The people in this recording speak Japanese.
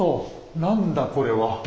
何だこれは。